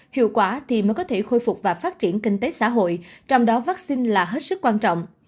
hiệu quả thì mới có thể khôi phục và phát triển kinh tế xã hội trong đó vaccine là hết sức quan trọng